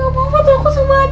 gak ada foto aku sama adi